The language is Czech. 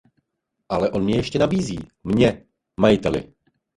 Ale on mně je ještě nabízí; mně, majiteli!